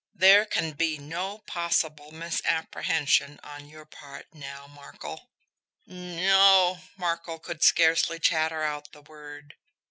There can be no possible misapprehension on your part now Markel?" "N no," Markel could scarcely chatter out the word.